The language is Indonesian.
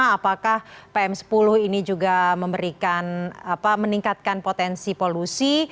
apakah pm sepuluh ini juga memberikan apa meningkatkan potensi polusi